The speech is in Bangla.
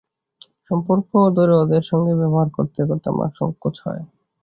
সম্পর্ক ধরে ওঁদের সঙ্গে ব্যবহার করতে আমার সংকোচ হয়।